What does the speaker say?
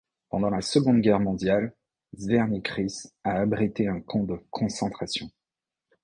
Pendant la Seconde Guerre mondiale, Crveni krst a abrité un camp de concentration.